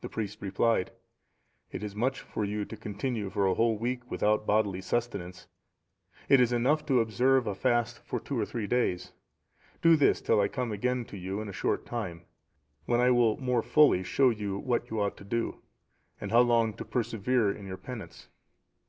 The priest replied, "It is much for you to continue for a whole week without bodily sustenance; it is enough to observe a fast for two or three days; do this till I come again to you in a short time, when I will more fully show you what you ought to do, and how long to persevere in your penance."